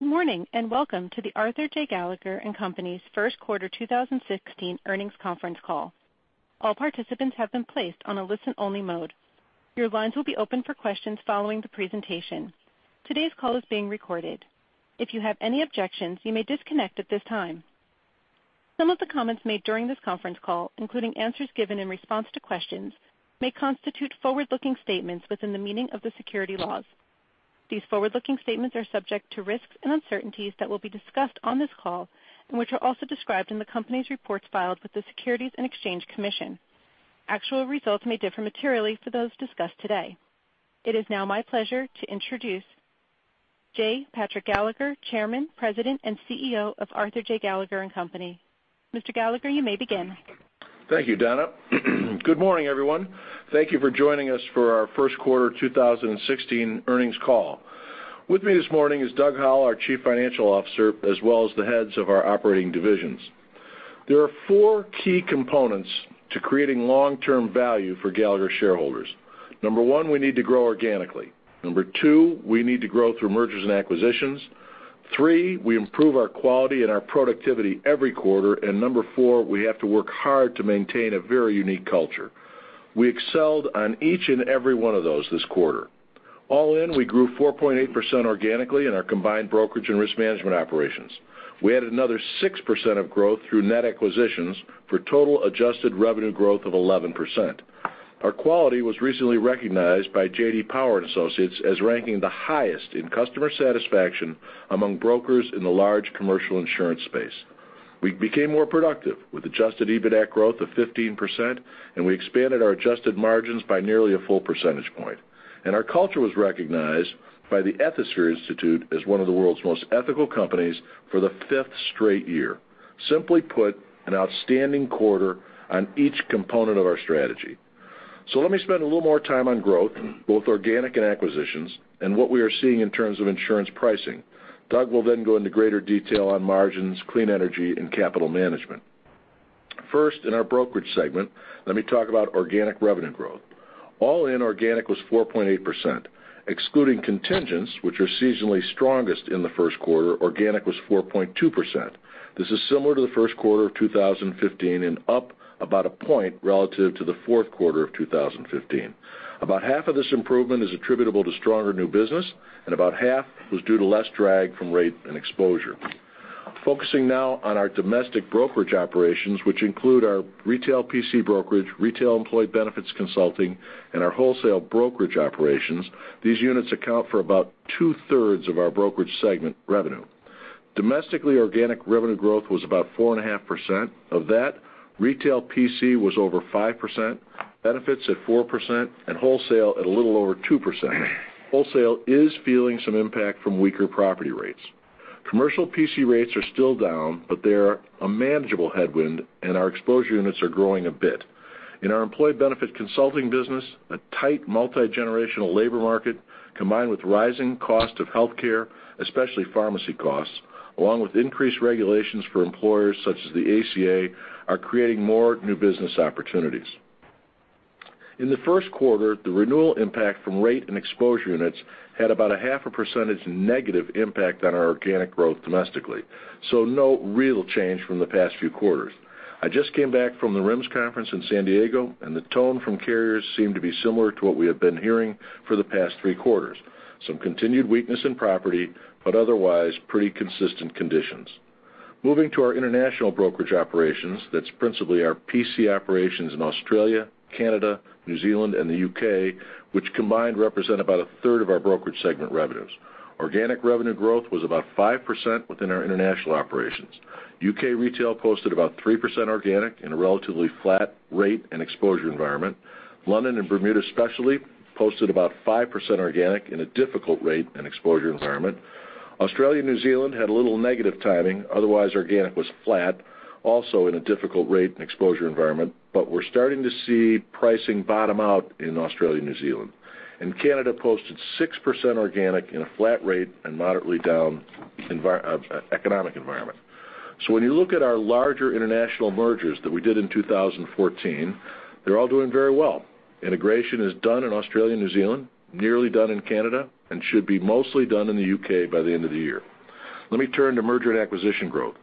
Good morning, and welcome to the Arthur J. Gallagher & Co.'s first quarter 2016 earnings conference call. All participants have been placed on a listen-only mode. Your lines will be open for questions following the presentation. Today's call is being recorded. If you have any objections, you may disconnect at this time. Some of the comments made during this conference call, including answers given in response to questions, may constitute forward-looking statements within the meaning of the securities laws. These forward-looking statements are subject to risks and uncertainties that will be discussed on this call and which are also described in the Company's reports filed with the Securities and Exchange Commission. Actual results may differ materially from those discussed today. It is now my pleasure to introduce J. Patrick Gallagher, Chairman, President, and CEO of Arthur J. Gallagher & Co. Mr. Gallagher, you may begin. Thank you, Donna. Good morning, everyone. Thank you for joining us for our first quarter 2016 earnings call. With me this morning is Doug Howell, our Chief Financial Officer, as well as the heads of our operating divisions. There are four key components to creating long-term value for Gallagher shareholders. Number one, we need to grow organically. Number two, we need to grow through mergers and acquisitions. Three, we improve our quality and our productivity every quarter. Number four, we have to work hard to maintain a very unique culture. We excelled on each and every one of those this quarter. All in, we grew 4.8% organically in our combined brokerage and risk management operations. We added another 6% of growth through net acquisitions for total adjusted revenue growth of 11%. Our quality was recently recognized by J.D. Power and Associates as ranking the highest in customer satisfaction among brokers in the large commercial insurance space. We became more productive with adjusted EBITAC growth of 15%, and we expanded our adjusted margins by nearly a full percentage point. Our culture was recognized by the Ethisphere Institute as one of the world's most ethical companies for the fifth straight year. Simply put, an outstanding quarter on each component of our strategy. Let me spend a little more time on growth, both organic and acquisitions, and what we are seeing in terms of insurance pricing. Doug will then go into greater detail on margins, clean energy, and capital management. First, in our brokerage segment, let me talk about organic revenue growth. All-in organic was 4.8%, excluding contingents, which are seasonally strongest in the first quarter, organic was 4.2%. This is similar to the first quarter of 2015 and up about a point relative to the fourth quarter of 2015. About half of this improvement is attributable to stronger new business, and about half was due to less drag from rate and exposure. Focusing now on our domestic brokerage operations, which include our retail PC brokerage, retail employee benefits consulting, and our wholesale brokerage operations. These units account for about two-thirds of our brokerage segment revenue. Domestically, organic revenue growth was about 4.5%. Of that, retail PC was over 5%, benefits at 4%, and wholesale at a little over 2%. Wholesale is feeling some impact from weaker property rates. Commercial PC rates are still down, they are a manageable headwind, and our exposure units are growing a bit. In our employee benefits consulting business, a tight multigenerational labor market, combined with rising cost of healthcare, especially pharmacy costs, along with increased regulations for employers such as the ACA, are creating more new business opportunities. In the first quarter, the renewal impact from rate and exposure units had about a half a percentage negative impact on our organic growth domestically. No real change from the past three quarters. I just came back from the RIMS conference in San Diego, and the tone from carriers seemed to be similar to what we have been hearing for the past three quarters. Some continued weakness in property, but otherwise pretty consistent conditions. Moving to our international brokerage operations, that's principally our PC operations in Australia, Canada, New Zealand, and the U.K., which combined represent about a third of our brokerage segment revenues. Organic revenue growth was about 5% within our international operations. U.K. retail posted about 3% organic in a relatively flat rate and exposure environment. London and Bermuda specialty posted about 5% organic in a difficult rate and exposure environment. Australia and New Zealand had a little negative timing, otherwise, organic was flat, also in a difficult rate and exposure environment, but we are starting to see pricing bottom out in Australia and New Zealand. Canada posted 6% organic in a flat rate and moderately down economic environment. When you look at our larger international mergers that we did in 2014, they are all doing very well. Integration is done in Australia and New Zealand, nearly done in Canada, and should be mostly done in the U.K. by the end of the year. Let me turn to merger and acquisition growth.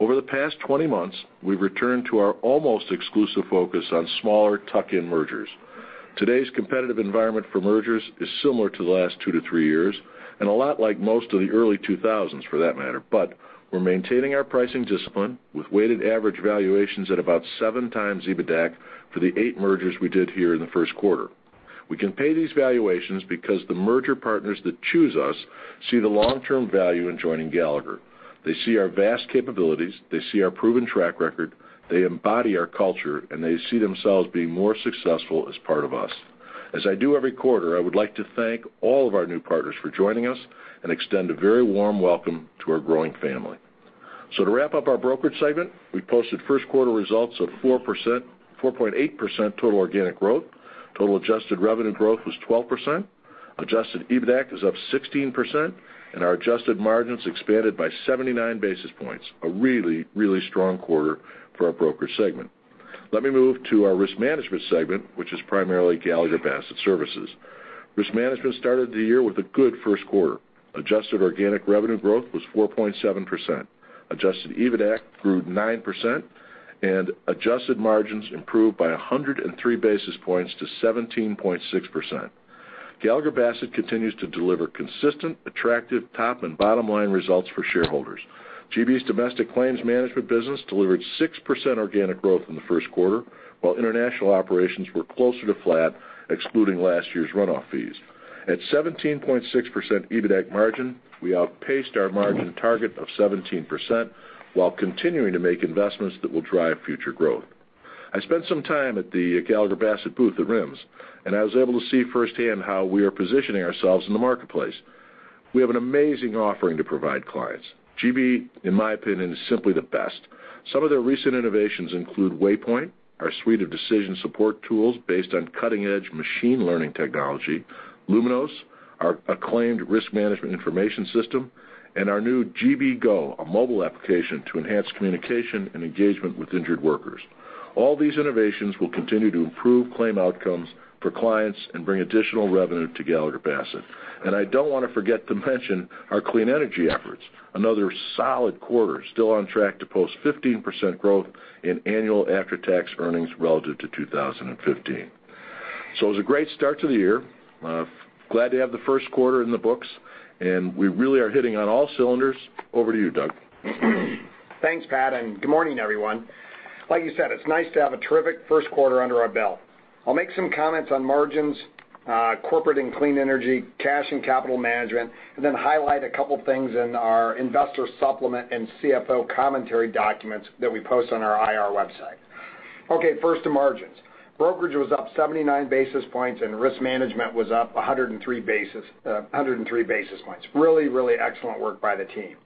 Over the past 20 months, we have returned to our almost exclusive focus on smaller tuck-in mergers. Today's competitive environment for mergers is similar to the last two to three years and a lot like most of the early 2000s for that matter. We are maintaining our pricing discipline with weighted average valuations at about seven times EBITAC for the eight mergers we did here in the first quarter. We can pay these valuations because the merger partners that choose us see the long-term value in joining Gallagher. They see our vast capabilities. They see our proven track record. They embody our culture, and they see themselves being more successful as part of us. As I do every quarter, I would like to thank all of our new partners for joining us and extend a very warm welcome to our growing family. To wrap up our brokerage segment, we posted first quarter results of 4.8% total organic growth. Total adjusted revenue growth was 12%. Adjusted EBITAC is up 16%, and our adjusted margins expanded by 79 basis points. A really, really strong quarter for our brokerage segment. Let me move to our Risk Management segment, which is primarily Gallagher Bassett Services. Risk Management started the year with a good first quarter. Adjusted organic revenue growth was 4.7%. Adjusted EBITAC grew 9%, and adjusted margins improved by 103 basis points to 17.6%. Gallagher Bassett continues to deliver consistent, attractive top and bottom line results for shareholders. GB's domestic claims management business delivered 6% organic growth in the first quarter, while international operations were closer to flat, excluding last year's run-off fees. At 17.6% EBITAC margin, we outpaced our margin target of 17%, while continuing to make investments that will drive future growth. I spent some time at the Gallagher Bassett booth at RIMS, and I was able to see firsthand how we are positioning ourselves in the marketplace. We have an amazing offering to provide clients. GB, in my opinion, is simply the best. Some of their recent innovations include Waypoint, our suite of decision support tools based on cutting-edge machine learning technology, Luminos, our acclaimed risk management information system, and our new GB Go, a mobile application to enhance communication and engagement with injured workers. All these innovations will continue to improve claim outcomes for clients and bring additional revenue to Gallagher Bassett. I don't want to forget to mention our clean energy efforts. Another solid quarter, still on track to post 15% growth in annual after-tax earnings relative to 2015. It was a great start to the year. Glad to have the first quarter in the books, and we really are hitting on all cylinders. Over to you, Doug. Thanks, Pat, and good morning, everyone. Like you said, it's nice to have a terrific first quarter under our belt. I'll make some comments on margins, corporate and clean energy, cash and capital management, and then highlight a couple of things in our investor supplement and CFO commentary documents that we post on our IR website. First to margins. Brokerage was up 79 basis points and risk management was up 103 basis points. Really excellent work by the team.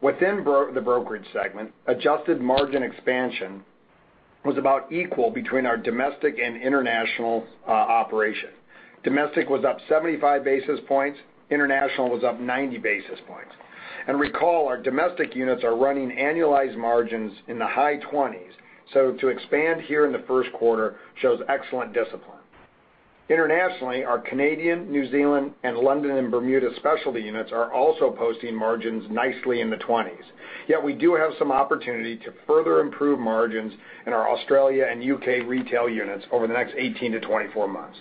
Within the brokerage segment, adjusted margin expansion was about equal between our domestic and international operations. Domestic was up 75 basis points, international was up 90 basis points. Recall, our domestic units are running annualized margins in the high 20s, so to expand here in the first quarter shows excellent discipline. Internationally, our Canadian, New Zealand, and London and Bermuda specialty units are also posting margins nicely in the 20s. Yet we do have some opportunity to further improve margins in our Australia and U.K. retail units over the next 18 to 24 months.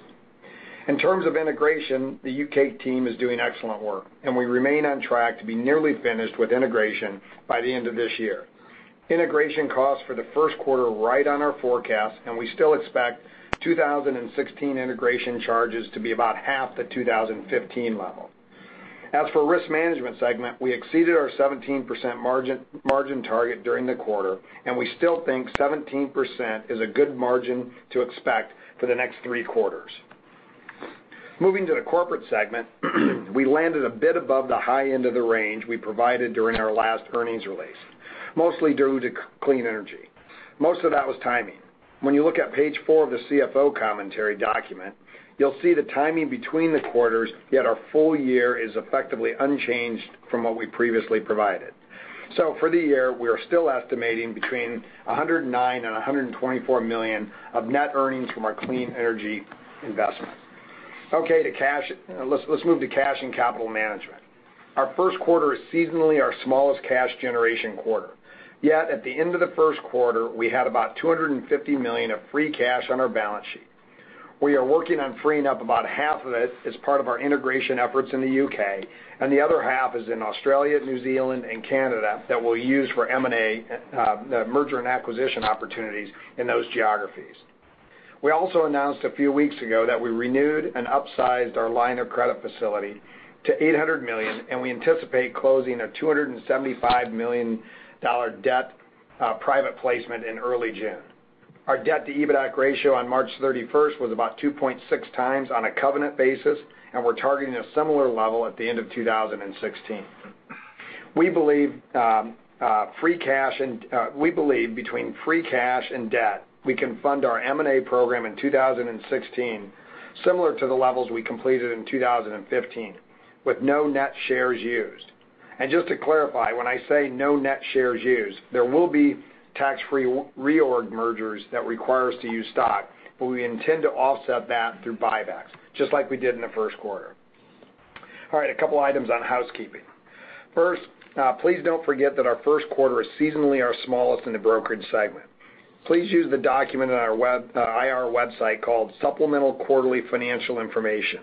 In terms of integration, the U.K. team is doing excellent work, and we remain on track to be nearly finished with integration by the end of this year. Integration costs for the first quarter were right on our forecast, and we still expect 2016 integration charges to be about half the 2015 level. As for risk management segment, we exceeded our 17% margin target during the quarter, and we still think 17% is a good margin to expect for the next three quarters. Moving to the corporate segment, we landed a bit above the high end of the range we provided during our last earnings release, mostly due to clean energy. Most of that was timing. When you look at page four of the CFO commentary document, you'll see the timing between the quarters, our full year is effectively unchanged from what we previously provided. For the year, we are still estimating between $109 million and $124 million of net earnings from our clean energy investments. Let's move to cash and capital management. Our first quarter is seasonally our smallest cash generation quarter. At the end of the first quarter, we had about $250 million of free cash on our balance sheet. We are working on freeing up about half of it as part of our integration efforts in the U.K., and the other half is in Australia, New Zealand, and Canada that we'll use for M&A, merger and acquisition opportunities in those geographies. We also announced a few weeks ago that we renewed and upsized our line of credit facility to $800 million, and we anticipate closing a $275 million debt private placement in early June. Our debt to EBITAC ratio on March 31st was about 2.6 times on a covenant basis, and we're targeting a similar level at the end of 2016. We believe between free cash and debt, we can fund our M&A program in 2016 similar to the levels we completed in 2015 with no net shares used. Just to clarify, when I say no net shares used, there will be tax-free reorg mergers that require us to use stock, we intend to offset that through buybacks, just like we did in the first quarter. A couple items on housekeeping. First, please don't forget that our first quarter is seasonally our smallest in the brokerage segment. Please use the document on our IR website called Supplemental Quarterly Financial Information.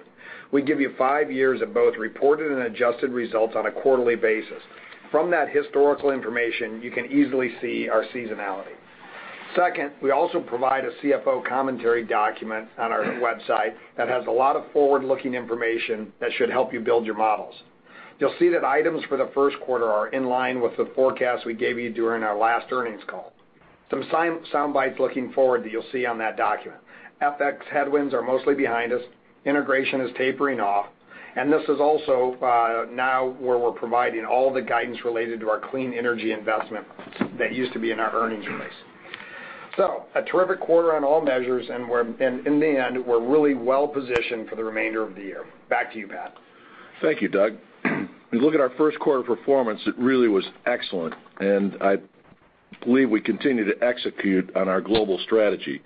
We give you five years of both reported and adjusted results on a quarterly basis. From that historical information, you can easily see our seasonality. Second, we also provide a CFO commentary document on our website that has a lot of forward-looking information that should help you build your models. You'll see that items for the first quarter are in line with the forecast we gave you during our last earnings call. Some soundbites looking forward that you'll see on that document. FX headwinds are mostly behind us. Integration is tapering off. This is also now where we're providing all the guidance related to our clean energy investment that used to be in our earnings release. A terrific quarter on all measures, in the end, we're really well-positioned for the remainder of the year. Back to you, Pat. Thank you, Doug. When you look at our first quarter performance, it really was excellent, and I believe we continue to execute on our global strategy.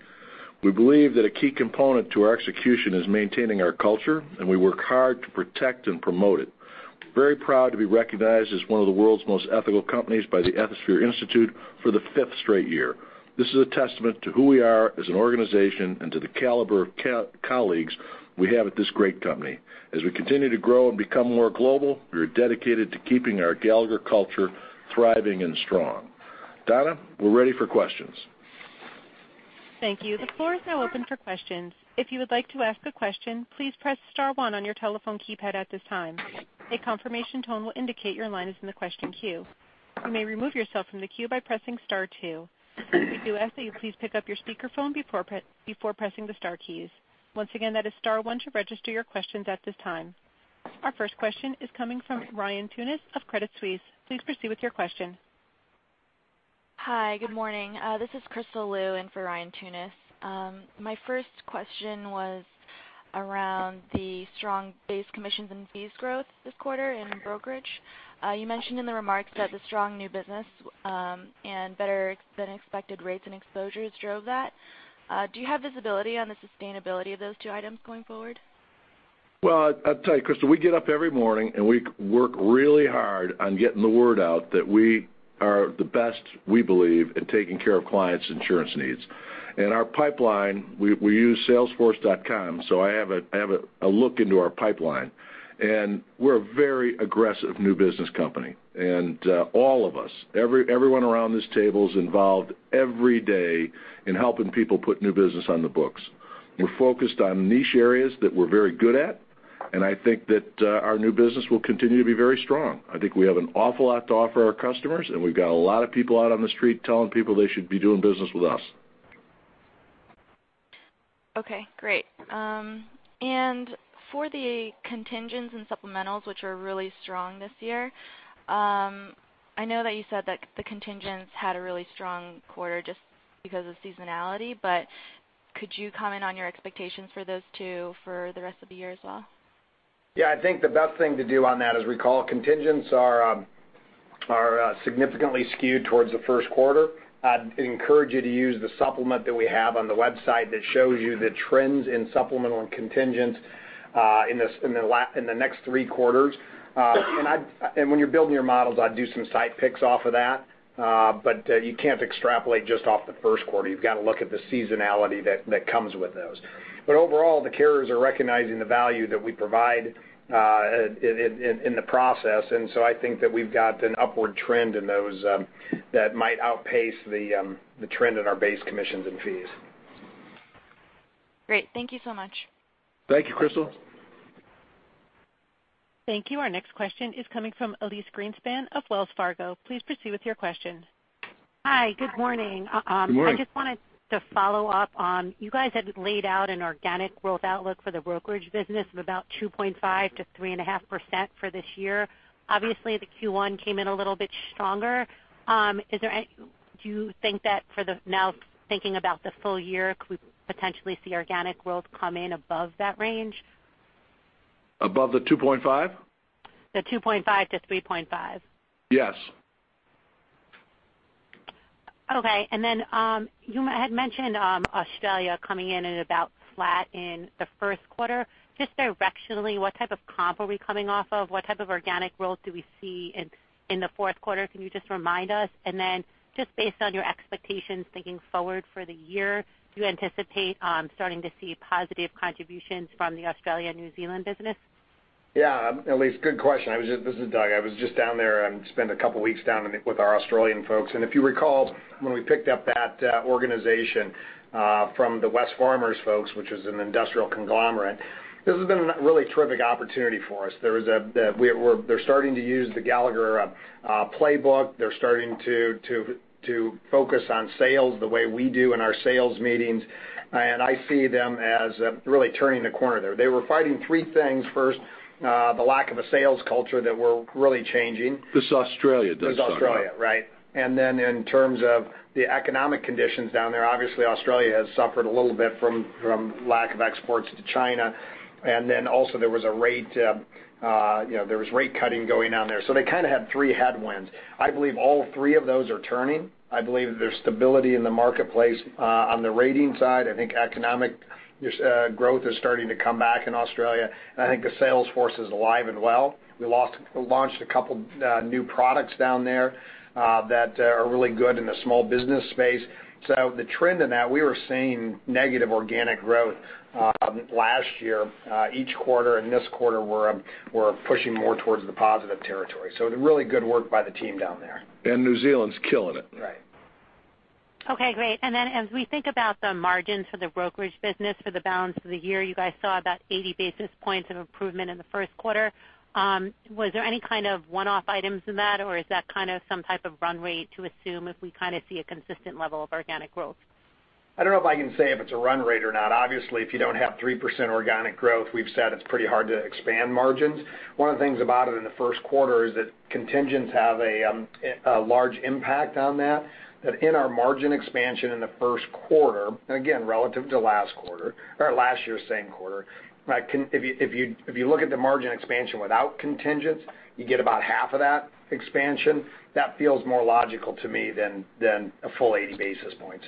We believe that a key component to our execution is maintaining our culture, and we work hard to protect and promote it. We're very proud to be recognized as one of the world's most ethical companies by the Ethisphere Institute for the fifth straight year. This is a testament to who we are as an organization and to the caliber of colleagues we have at this great company. As we continue to grow and become more global, we are dedicated to keeping our Gallagher culture thriving and strong. Donna, we're ready for questions. Thank you. The floor is now open for questions. If you would like to ask a question, please press star one on your telephone keypad at this time. A confirmation tone will indicate your line is in the question queue. You may remove yourself from the queue by pressing star two. We do ask that you please pick up your speakerphone before pressing the star keys. Once again, that is star one to register your questions at this time. Our first question is coming from Ryan Tunis of Credit Suisse. Please proceed with your question. Hi. Good morning. This is Crystal Lu in for Ryan Tunis. My first question was around the strong base commissions and fees growth this quarter in brokerage. You mentioned in the remarks that the strong new business, and better than expected rates and exposures drove that. Do you have visibility on the sustainability of those two items going forward? Well, I'll tell you, Crystal, we get up every morning, and we work really hard on getting the word out that we are the best, we believe, at taking care of clients' insurance needs. Our pipeline, we use Salesforce.com, so I have a look into our pipeline. We're a very aggressive new business company. All of us, everyone around this table is involved every day in helping people put new business on the books. We're focused on niche areas that we're very good at, and I think that our new business will continue to be very strong. I think we have an awful lot to offer our customers, and we've got a lot of people out on the street telling people they should be doing business with us. Okay, great. For the contingents and supplementals, which are really strong this year, I know that you said that the contingents had a really strong quarter just because of seasonality, could you comment on your expectations for those two for the rest of the year as well? I think the best thing to do on that is recall contingents are significantly skewed towards the first quarter. I'd encourage you to use the supplement that we have on the website that shows you the trends in supplemental and contingents, in the next three quarters. When you're building your models, I'd do some site picks off of that. You can't extrapolate just off the first quarter. You've got to look at the seasonality that comes with those. Overall, the carriers are recognizing the value that we provide in the process, I think that we've got an upward trend in those that might outpace the trend in our base commissions and fees. Great. Thank you so much. Thank you, Crystal. Thank you. Our next question is coming from Elyse Greenspan of Wells Fargo. Please proceed with your question. Hi. Good morning. Good morning. I just wanted to follow up on, you guys had laid out an organic growth outlook for the brokerage business of about 2.5%-3.5% for this year. Obviously, the Q1 came in a little bit stronger. Do you think that for the now, thinking about the full year, could we potentially see organic growth come in above that range? Above the 2.5? The 2.5 to 3.5. Yes. Okay. You had mentioned Australia coming in at about flat in the first quarter. Just directionally, what type of comp are we coming off of? What type of organic growth do we see in the fourth quarter? Can you just remind us? Then just based on your expectations thinking forward for the year, do you anticipate starting to see positive contributions from the Australia and New Zealand business? Yeah. Elyse, good question. This is Doug. I was just down there. I spent a couple of weeks down with our Australian folks. If you recall when we picked up that organization from the Wesfarmers folks, which is an industrial conglomerate, this has been a really terrific opportunity for us. They're starting to use the Gallagher playbook. They're starting to focus on sales the way we do in our sales meetings. I see them as really turning the corner there. They were fighting three things. First, the lack of a sales culture that we're really changing. This is Australia, though, Doug. This is Australia, right. In terms of the economic conditions down there, obviously Australia has suffered a little bit from lack of exports to China. Also there was rate cutting going on there. They kind of had three headwinds. I believe all three of those are turning. I believe there's stability in the marketplace. On the rating side, I think economic growth is starting to come back in Australia. I think the sales force is alive and well. We launched a couple of new products down there that are really good in the small business space. The trend in that, we were seeing negative organic growth last year each quarter. In this quarter, we're pushing more towards the positive territory. Really good work by the team down there. New Zealand's killing it. Right. Okay, great. As we think about the margins for the brokerage business for the balance of the year, you guys saw about 80 basis points of improvement in the first quarter. Was there any kind of one-off items in that or is that some type of run rate to assume if we see a consistent level of organic growth? I don't know if I can say if it's a run rate or not. Obviously, if you don't have 3% organic growth, we've said it's pretty hard to expand margins. One of the things about it in the first quarter is that contingents have a large impact on that in our margin expansion in the first quarter, again, relative to last year's same quarter, if you look at the margin expansion without contingents, you get about half of that expansion. That feels more logical to me than a full 80 basis points.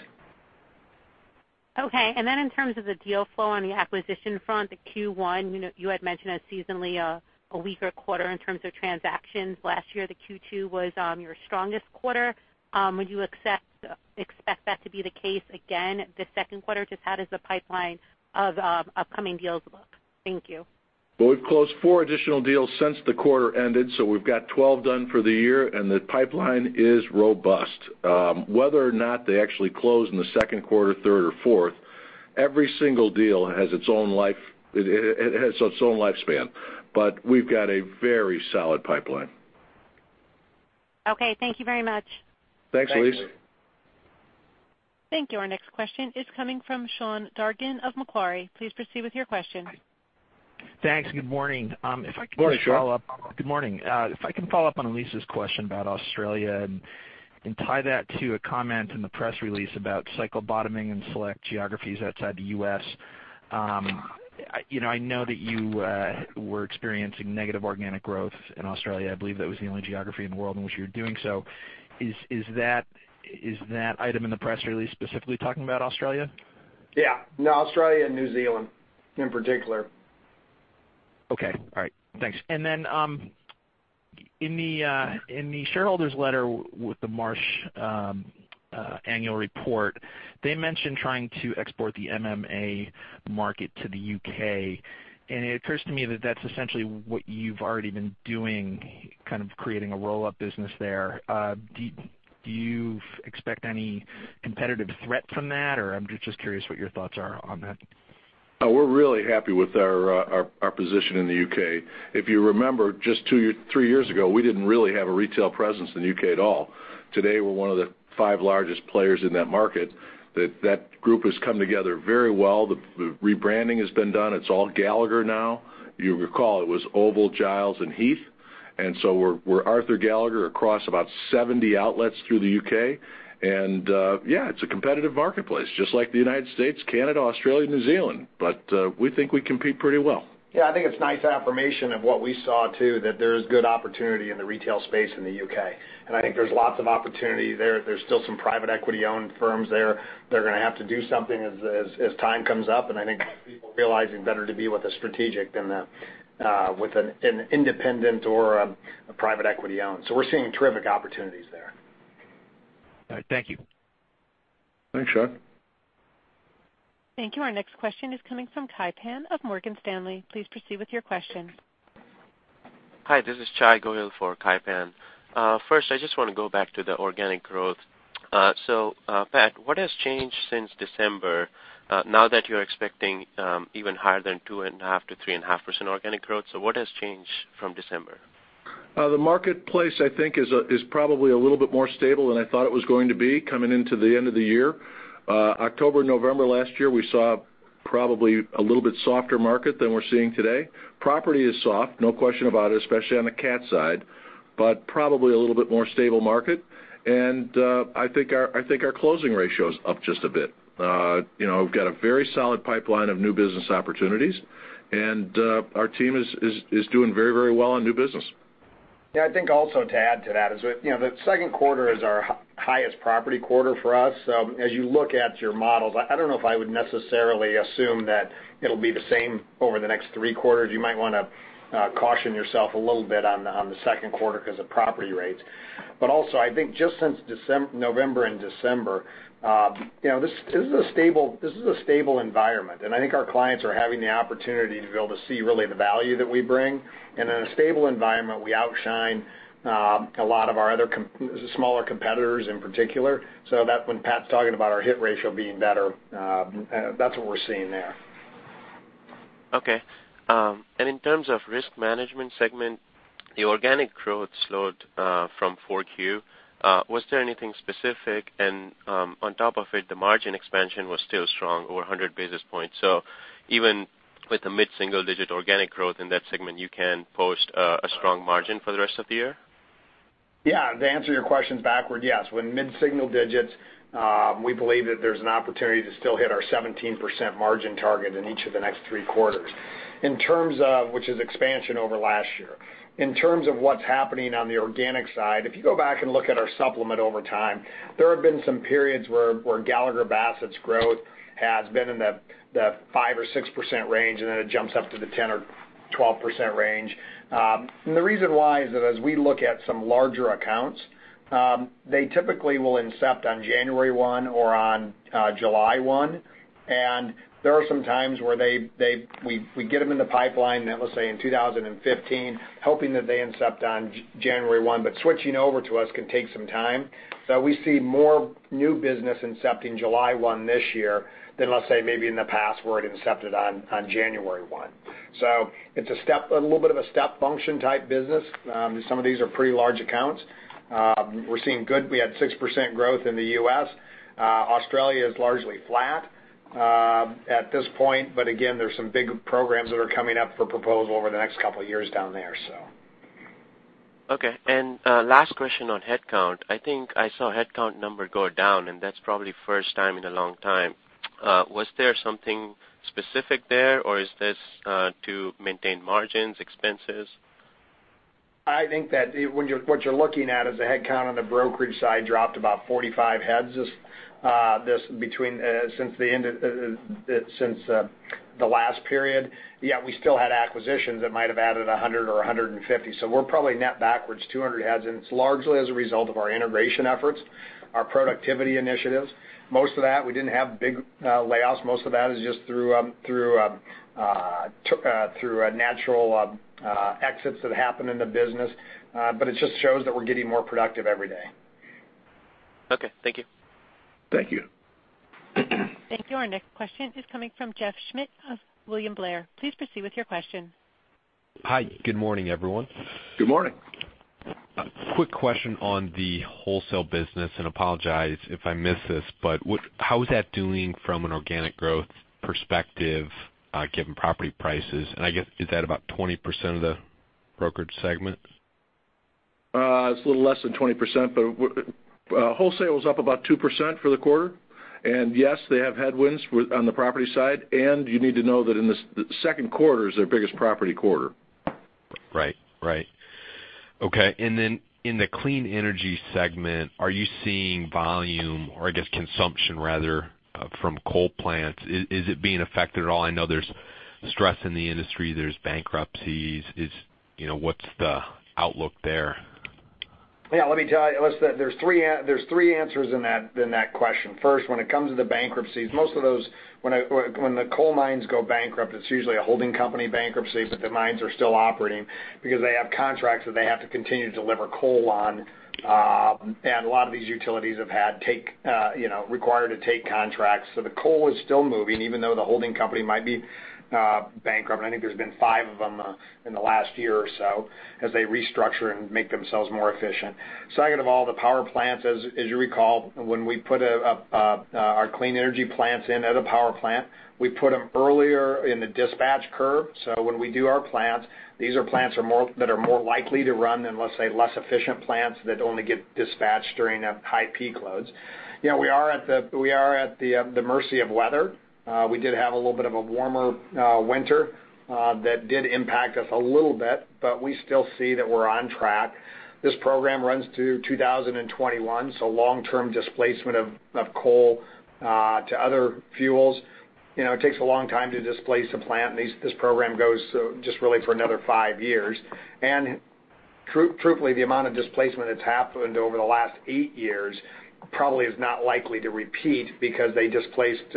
Okay. In terms of the deal flow on the acquisition front, the Q1, you had mentioned as seasonally a weaker quarter in terms of transactions. Last year, the Q2 was your strongest quarter. Would you expect that to be the case again the second quarter? Just how does the pipeline of upcoming deals look? Thank you. Well, we've closed four additional deals since the quarter ended, so we've got 12 done for the year, the pipeline is robust. Whether or not they actually close in the second quarter, third, or fourth, every single deal has its own lifespan. We've got a very solid pipeline. Okay. Thank you very much. Thanks, Elyse. Thank you. Our next question is coming from Sean Dargan of Macquarie. Please proceed with your question. Thanks. Good morning. Good morning, Sean. Good morning. If I can follow up on Elyse's question about Australia and tie that to a comment in the press release about cycle bottoming in select geographies outside the U.S. I know that you were experiencing negative organic growth in Australia. I believe that was the only geography in the world in which you were doing so. Is that item in the press release specifically talking about Australia? Yeah. No, Australia and New Zealand in particular. Okay. All right. Thanks. In the shareholders' letter with the Marsh annual report, they mentioned trying to export the MMA market to the U.K. It occurs to me that's essentially what you've already been doing, kind of creating a roll-up business there. Do you expect any competitive threat from that? I'm just curious what your thoughts are on that. We're really happy with our position in the U.K. If you remember, just two, three years ago, we didn't really have a retail presence in the U.K. at all. Today, we're one of the five largest players in that market. That group has come together very well. The rebranding has been done. It's all Gallagher now. You'll recall it was Oval, Giles and Heath. So we're Arthur Gallagher across about 70 outlets through the U.K. Yeah, it's a competitive marketplace, just like the United States, Canada, Australia, New Zealand, we think we compete pretty well. Yeah. I think it's nice affirmation of what we saw, too, that there is good opportunity in the retail space in the U.K. I think there's lots of opportunity there. There's still some private equity-owned firms there that are going to have to do something as time comes up. I think people are realizing better to be with a strategic than with an independent or a private equity-owned. We're seeing terrific opportunities there. All right. Thank you. Thanks, Sean. Thank you. Our next question is coming from Kai Pan of Morgan Stanley. Please proceed with your question. Hi. This is Chai Goyal for Kai Pan. First, I just want to go back to the organic growth. Pat, what has changed since December now that you're expecting even higher than 2.5%-3.5% organic growth? What has changed from December? The marketplace, I think, is probably a little bit more stable than I thought it was going to be coming into the end of the year. October, November last year, we saw probably a little bit softer market than we're seeing today. Property is soft, no question about it, especially on the cat side, but probably a little bit more stable market. I think our closing ratio is up just a bit. We've got a very solid pipeline of new business opportunities, our team is doing very well on new business. Yeah, I think also to add to that is the second quarter is our highest property quarter for us. As you look at your models, I don't know if I would necessarily assume that it'll be the same over the next three quarters. You might want to caution yourself a little bit on the second quarter because of property rates. Also, I think just since November and December, this is a stable environment, I think our clients are having the opportunity to be able to see really the value that we bring. In a stable environment, we outshine a lot of our other smaller competitors in particular. When Pat's talking about our hit ratio being better, that's what we're seeing there. Okay. In terms of risk management segment, the organic growth slowed from 4Q. Was there anything specific? On top of it, the margin expansion was still strong, over 100 basis points. Even with the mid-single digit organic growth in that segment, you can post a strong margin for the rest of the year? Yeah. To answer your questions backward, yes, with mid-single digits, we believe that there's an opportunity to still hit our 17% margin target in each of the next three quarters, which is expansion over last year. In terms of what's happening on the organic side, if you go back and look at our supplement over time, there have been some periods where Gallagher Bassett's growth has been in the 5% or 6% range, then it jumps up to the 10% or 12% range. The reason why is that as we look at some larger accounts, they typically will incept on January 1 or on July 1. There are some times where we get them in the pipeline, let's say in 2015, hoping that they incept on January 1. Switching over to us can take some time. We see more new business incepting July 1 this year than, let's say, maybe in the past where it incepted on January 1. It's a little bit of a step function type business. Some of these are pretty large accounts. We're seeing good. We had 6% growth in the U.S. Australia is largely flat at this point. Again, there's some big programs that are coming up for proposal over the next couple of years down there, so. Okay. Last question on headcount. I think I saw headcount number go down. That's probably first time in a long time. Was there something specific there or is this to maintain margins, expenses? I think that what you're looking at is the headcount on the brokerage side dropped about 45 heads since the last period. Yet we still had acquisitions that might have added 100 or 150. We're probably net backwards 200 heads. It's largely as a result of our integration efforts, our productivity initiatives. Most of that, we didn't have big layoffs. Most of that is just through natural exits that happen in the business. It just shows that we're getting more productive every day. Okay. Thank you. Thank you. Thank you. Our next question is coming from Jeff Schmitt of William Blair. Please proceed with your question. Hi. Good morning, everyone. Good morning. Quick question on the wholesale business, and apologize if I missed this, but how is that doing from an organic growth perspective, given property prices? I guess, is that about 20% of the brokerage segment? It's a little less than 20%, but wholesale was up about 2% for the quarter. Yes, they have headwinds on the property side, and you need to know that the second quarter is their biggest property quarter. Then in the clean energy segment, are you seeing volume or, I guess, consumption rather from coal plants? Is it being affected at all? I know there's stress in the industry. There's bankruptcies. What's the outlook there? Yeah, let me tell you, there are three answers in that question. First, when it comes to the bankruptcies, most of those, when the coal mines go bankrupt, it is usually a holding company bankruptcy, but the mines are still operating because they have contracts that they have to continue to deliver coal on. A lot of these utilities are required to take contracts. The coal is still moving, even though the holding company might be bankrupt. I think there has been five of them in the last year or so as they restructure and make themselves more efficient. Second of all, the power plants, as you recall, when we put our clean energy plants in at a power plant, we put them earlier in the dispatch curve. So when we do our plants, these are plants that are more likely to run than, let us say, less efficient plants that only get dispatched during high peak loads. We are at the mercy of weather. We did have a little bit of a warmer winter that did impact us a little bit, but we still see that we are on track. This program runs through 2021, so long-term displacement of coal to other fuels. It takes a long time to displace a plant, and this program goes just really for another five years. Truthfully, the amount of displacement that has happened over the last eight years probably is not likely to repeat because they displaced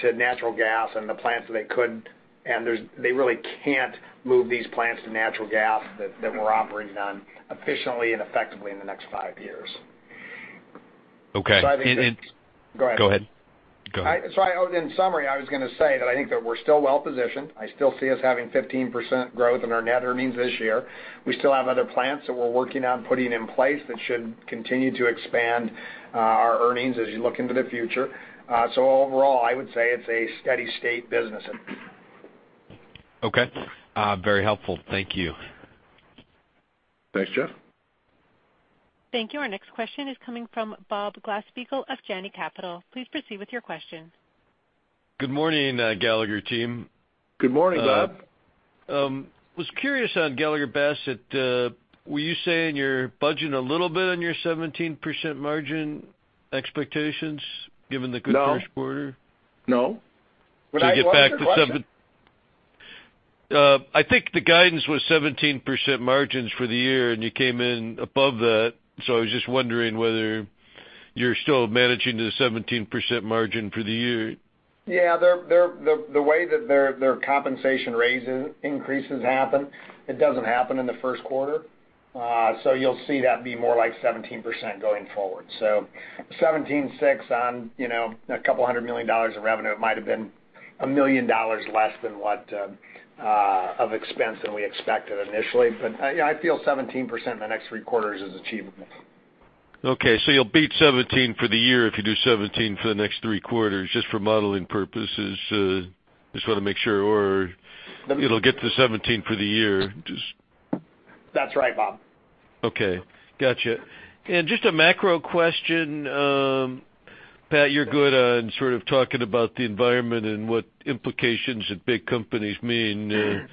to natural gas and the plants that they could, and they really cannot move these plants to natural gas that we are operating on efficiently and effectively in the next five years. Okay. Go ahead. Go ahead. In summary, I was going to say that I think that we're still well-positioned. I still see us having 15% growth in our net earnings this year. We still have other plans that we're working on putting in place that should continue to expand our earnings as you look into the future. Overall, I would say it's a steady state business. Okay. Very helpful. Thank you. Thanks, Jeff. Thank you. Our next question is coming from Bob Glasspiegel of Janney Capital. Please proceed with your question. Good morning, Gallagher team. Good morning, Bob. I was curious on Gallagher Bassett. Were you saying you're budging a little bit on your 17% margin expectations given the good first quarter? No. I think the guidance was 17% margins for the year, and you came in above that. I was just wondering whether you're still managing the 17% margin for the year. Yeah. The way that their compensation raises increases happen, it doesn't happen in the first quarter. You'll see that be more like 17% going forward. 17.6% on a couple hundred million dollars of revenue, it might've been $1 million less than what of expense than we expected initially. I feel 17% in the next three quarters is achievable. Okay. You'll beat 17% for the year if you do 17% for the next three quarters, just for modeling purposes. Just want to make sure, or it'll get to 17% for the year. That's right, Bob. Okay. Got you. Just a macro question. Pat, you're good on sort of talking about the environment and what implications of big companies mean.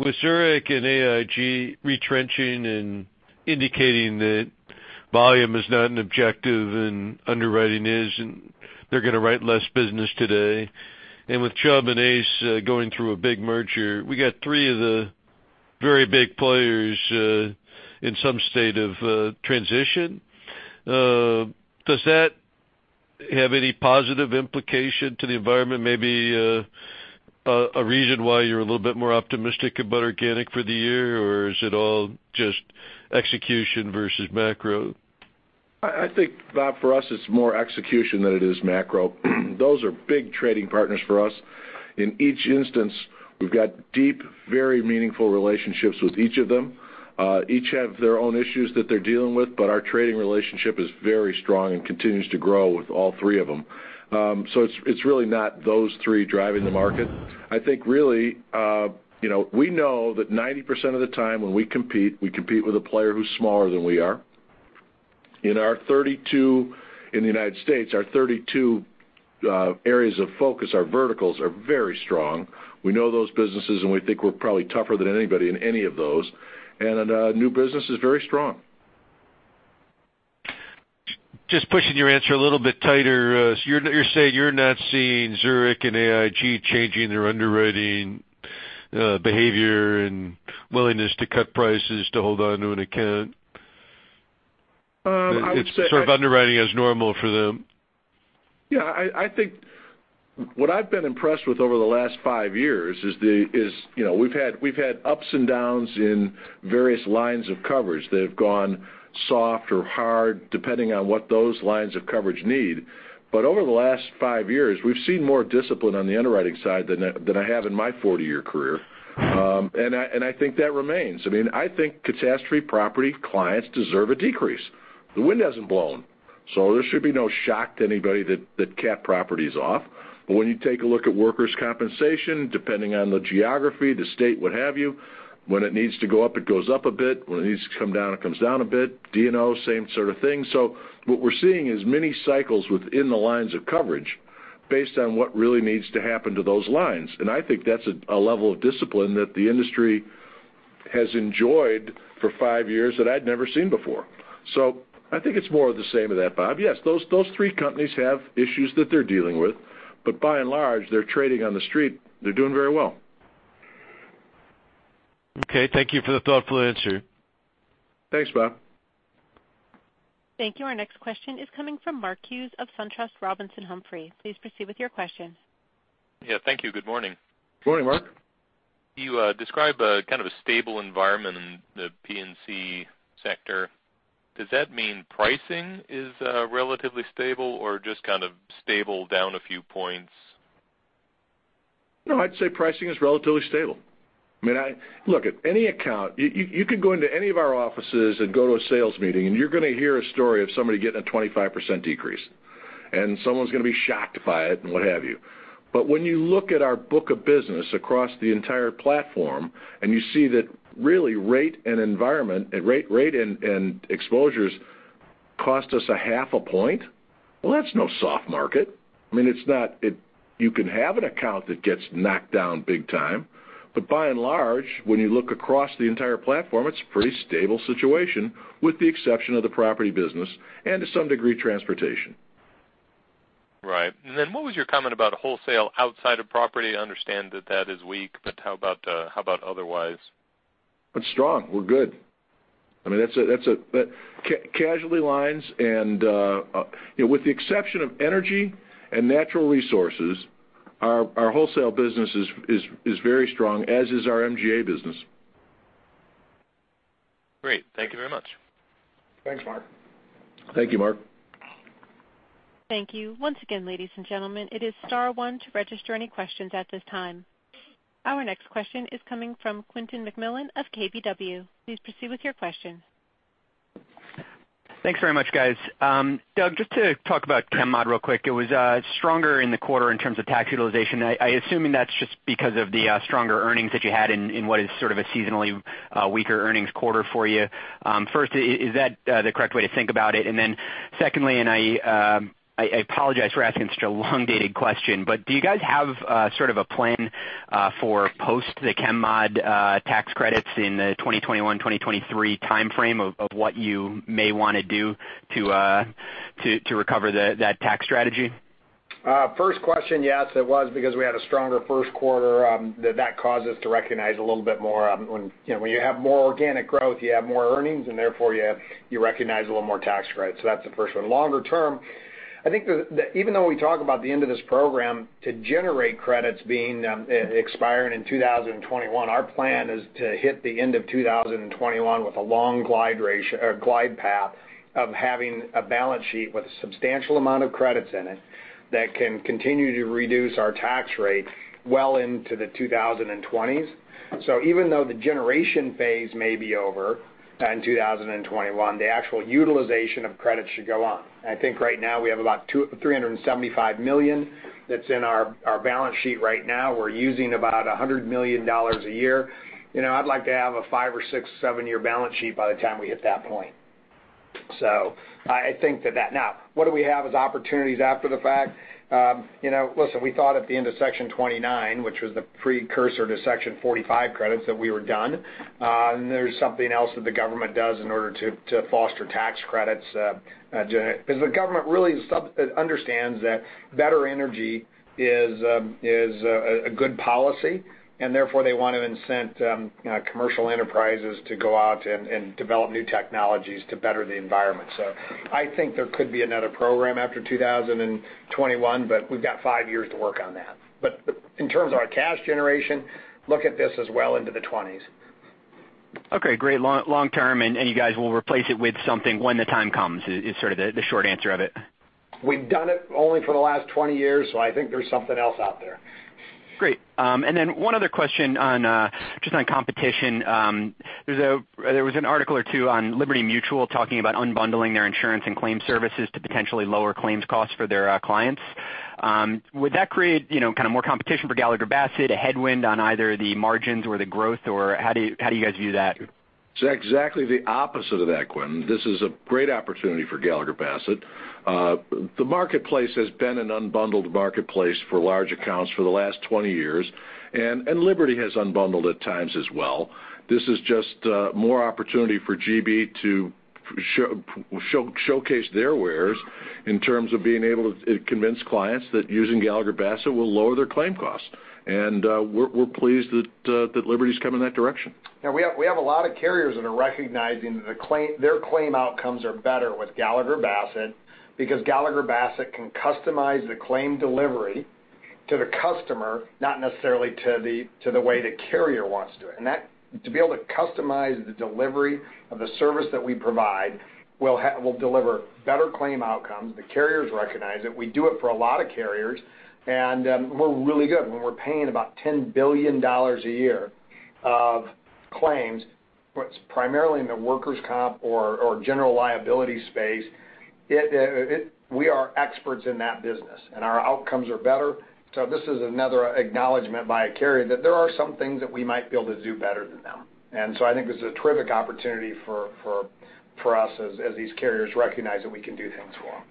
With Zurich and AIG retrenching and indicating that volume is not an objective and underwriting is, and they're going to write less business today. With Chubb and ACE going through a big merger, we got three of the very big players in some state of transition. Does that have any positive implication to the environment? Maybe a reason why you're a little bit more optimistic about organic for the year, or is it all just execution versus macro? I think, Bob, for us, it's more execution than it is macro. Those are big trading partners for us. In each instance, we've got deep, very meaningful relationships with each of them. Each have their own issues that they're dealing with, but our trading relationship is very strong and continues to grow with all three of them. It's really not those three driving the market. I think really, we know that 90% of the time when we compete, we compete with a player who's smaller than we are. In the U.S., our 32 areas of focus, our verticals are very strong. We know those businesses, and we think we're probably tougher than anybody in any of those, and new business is very strong. Just pushing your answer a little bit tighter. You're saying you're not seeing Zurich and AIG changing their underwriting behavior and willingness to cut prices to hold on to an account? I would say. It's sort of underwriting as normal for them. Yeah. I think what I've been impressed with over the last five years is we've had ups and downs in various lines of coverage that have gone soft or hard, depending on what those lines of coverage need. Over the last five years, we've seen more discipline on the underwriting side than I have in my 40-year career. I think that remains. I think catastrophe property clients deserve a decrease. The wind hasn't blown, so there should be no shock to anybody that cat property's off. When you take a look at workers' compensation, depending on the geography, the state, what have you, when it needs to go up, it goes up a bit. When it needs to come down, it comes down a bit. D&O, same sort of thing. What we're seeing is mini cycles within the lines of coverage based on what really needs to happen to those lines. I think that's a level of discipline that the industry has enjoyed for five years that I'd never seen before. I think it's more of the same of that, Bob. Yes, those three companies have issues that they're dealing with, but by and large, they're trading on the street. They're doing very well. Okay. Thank you for the thoughtful answer. Thanks, Bob. Thank you. Our next question is coming from Mark Hughes of SunTrust Robinson Humphrey. Please proceed with your question. Yeah, thank you. Good morning. Good morning, Mark. You describe a kind of a stable environment in the P&C sector. Does that mean pricing is relatively stable or just kind of stable down a few points? No, I'd say pricing is relatively stable. Look, at any account, you could go into any of our offices and go to a sales meeting, and you're going to hear a story of somebody getting a 25% decrease, and someone's going to be shocked by it and what have you. When you look at our book of business across the entire platform and you see that really rate and environment and rate and exposures cost us a half a point, well, that's no soft market. You can have an account that gets knocked down big time, but by and large, when you look across the entire platform, it's a pretty stable situation with the exception of the property business and to some degree, transportation. Right. What was your comment about wholesale outside of property? I understand that that is weak, but how about otherwise? It's strong. We're good. Casualty lines with the exception of energy and natural resources, our wholesale business is very strong, as is our MGA business. Great. Thank you very much. Thanks, Mark. Thank you, Mark. Thank you. Once again, ladies and gentlemen, it is star one to register any questions at this time. Our next question is coming from Quentin McMillan of KBW. Please proceed with your question. Thanks very much, guys. Doug, just to talk about ChemMod real quick, it was stronger in the quarter in terms of tax utilization. I assume that's just because of the stronger earnings that you had in what is sort of a seasonally weaker earnings quarter for you. First, is that the correct way to think about it? Then secondly, and I apologize for asking such a long-dated question, do you guys have a sort of a plan for post the ChemMod tax credits in the 2021, 2023 timeframe of what you may want to do to recover that tax strategy? First question, yes, it was because we had a stronger first quarter that caused us to recognize a little bit more. When you have more organic growth, you have more earnings, and therefore you recognize a little more tax credit. That's the first one. Longer term, I think that even though we talk about the end of this program to generate credits expiring in 2021, our plan is to hit the end of 2021 with a long glide path of having a balance sheet with a substantial amount of credits in it that can continue to reduce our tax rate well into the 2020s. Even though the generation phase may be over in 2021, the actual utilization of credits should go on. I think right now we have about $375 million that's in our balance sheet right now. We're using about $100 million a year. I'd like to have a five- or six-, seven-year balance sheet by the time we hit that point. I think that. Now, what do we have as opportunities after the fact? Listen, we thought at the end of Section 29, which was the precursor to Section 45 credits, that we were done. There's something else that the government does in order to foster tax credits. The government really understands that better energy is a good policy, and therefore they want to incent commercial enterprises to go out and develop new technologies to better the environment. I think there could be another program after 2021, but we've got five years to work on that. In terms of our cash generation, look at this as well into the '20s. Okay, great. Long term, you guys will replace it with something when the time comes is sort of the short answer of it. We've done it only for the last 20 years, I think there's something else out there. Great. One other question just on competition. There was an article or two on Liberty Mutual talking about unbundling their insurance and claim services to potentially lower claims costs for their clients. Would that create more competition for Gallagher Bassett, a headwind on either the margins or the growth, or how do you guys view that? It's exactly the opposite of that, Quinn. This is a great opportunity for Gallagher Bassett. The marketplace has been an unbundled marketplace for large accounts for the last 20 years, and Liberty has unbundled at times as well. This is just more opportunity for GB to showcase their wares in terms of being able to convince clients that using Gallagher Bassett will lower their claim costs. We're pleased that Liberty's coming in that direction. Yeah, we have a lot of carriers that are recognizing their claim outcomes are better with Gallagher Bassett, because Gallagher Bassett can customize the claim delivery to the customer, not necessarily to the way the carrier wants to. To be able to customize the delivery of the service that we provide will deliver better claim outcomes. The carriers recognize it. We do it for a lot of carriers, and we're really good. When we're paying about $10 billion a year of claims, primarily in the workers' comp or general liability space, we are experts in that business, and our outcomes are better. This is another acknowledgment by a carrier that there are some things that we might be able to do better than them. I think this is a terrific opportunity for us as these carriers recognize that we can do things for them.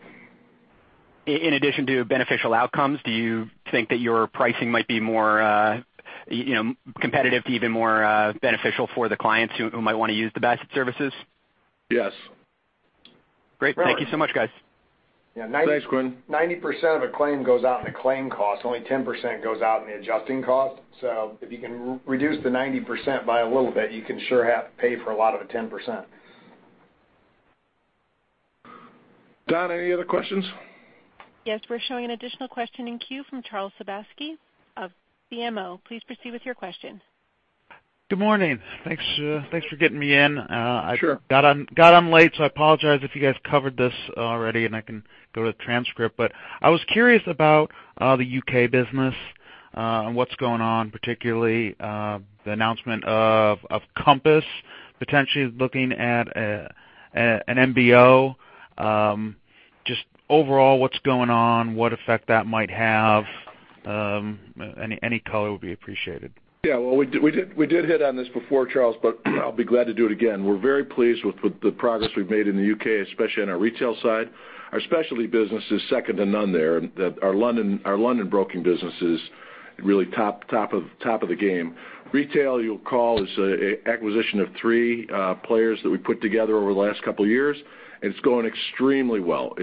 In addition to beneficial outcomes, do you think that your pricing might be more competitive, even more beneficial for the clients who might want to use the Bassett services? Yes. Great. Thank you so much, guys. Yeah. Thanks, Quinn. 90% of a claim goes out in the claim cost. Only 10% goes out in the adjusting cost. If you can reduce the 90% by a little bit, you can sure pay for a lot of the 10%. Donna, any other questions? Yes, we're showing an additional question in queue from Charles Sebaski of BMO. Please proceed with your question. Good morning. Thanks for getting me in. Sure. I got on late, I apologize if you guys covered this already, and I can go to the transcript. I was curious about the U.K. business, and what's going on, particularly the announcement of Compass potentially looking at an MBO. Just overall, what's going on, what effect that might have. Any color would be appreciated. Yeah. Well, we did hit on this before, Charles, I'll be glad to do it again. We're very pleased with the progress we've made in the U.K., especially in our retail side. Our specialty business is second to none there. Our London broking business is really top of the game. Retail, you'll recall, is the acquisition of three players that we put together over the last couple of years, and it's going extremely well.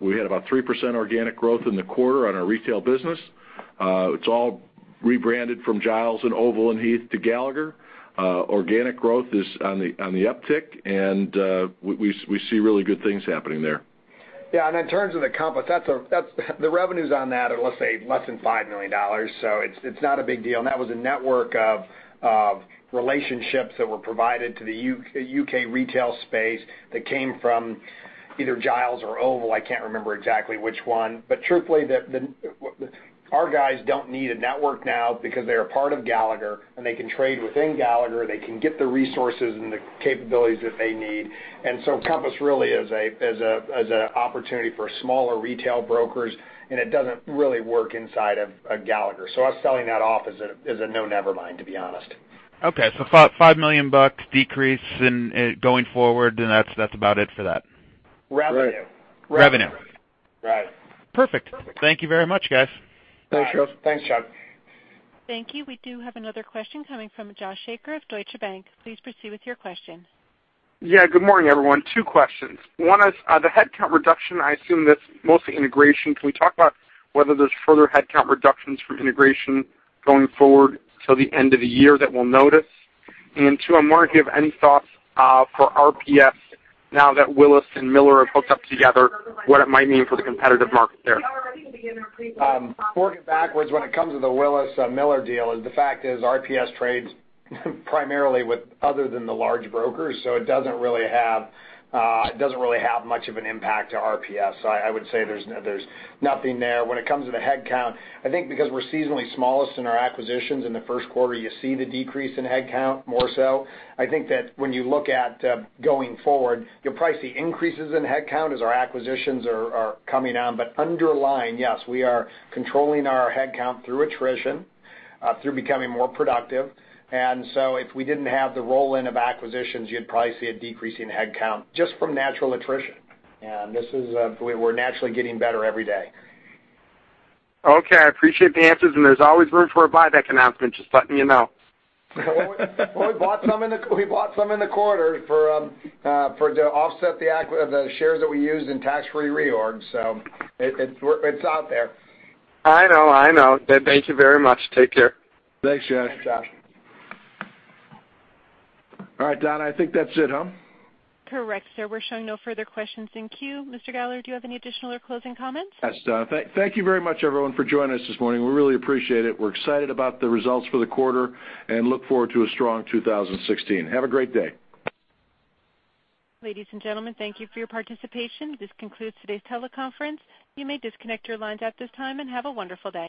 We had about 3% organic growth in the quarter on our retail business. It's all rebranded from Giles and Oval and Heath to Gallagher. Organic growth is on the uptick. We see really good things happening there. In terms of the Compass, the revenues on that are, let's say, less than $5 million. It's not a big deal. That was a network of relationships that were provided to the U.K. retail space that came from either Giles or Oval. I can't remember exactly which one. Truthfully, our guys don't need a network now because they are part of Gallagher, and they can trade within Gallagher. They can get the resources and the capabilities that they need. Compass really is an opportunity for smaller retail brokers, and it doesn't really work inside of Gallagher. Us selling that off is a no never mind, to be honest. Okay. $5 million decrease going forward. That's about it for that. Revenue. Revenue. Right. Perfect. Thank you very much, guys. Thanks, Charles. Thanks, Charles. Thank you. We do have another question coming from Josh Shanker of Deutsche Bank. Please proceed with your question. Yeah, good morning, everyone. Two questions. One is, the headcount reduction, I assume that's mostly integration. Can we talk about whether there's further headcount reductions from integration going forward to the end of the year that we'll notice? Two, I'm wondering if you have any thoughts for RPS now that Willis and Miller have hooked up together, what it might mean for the competitive market there. Working backwards, when it comes to the Willis-Miller deal, the fact is RPS trades primarily with other than the large brokers, so it doesn't really have much of an impact to RPS. I would say there's nothing there. When it comes to the headcount, I think because we're seasonally smallest in our acquisitions in the first quarter, you see the decrease in headcount more so. I think that when you look at going forward, you'll probably see increases in headcount as our acquisitions are coming on. Underlying, yes, we are controlling our headcount through attrition, through becoming more productive. If we didn't have the roll-in of acquisitions, you'd probably see a decrease in headcount just from natural attrition. We're naturally getting better every day. Okay. I appreciate the answers, and there is always room for a buyback announcement. Just letting you know. Well, we bought some in the quarter to offset the shares that we used in tax-free reorg, so it is out there. I know. Thank you very much. Take care. Thanks, Josh. Thanks, Josh. All right, Donna, I think that's it, huh? Correct, sir. We're showing no further questions in queue. Mr. Gallagher, do you have any additional or closing comments? Yes. Thank you very much, everyone, for joining us this morning. We really appreciate it. We're excited about the results for the quarter and look forward to a strong 2016. Have a great day. Ladies and gentlemen, thank you for your participation. This concludes today's teleconference. You may disconnect your lines at this time, and have a wonderful day.